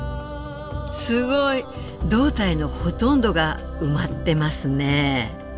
すごい胴体のほとんどが埋まってますね。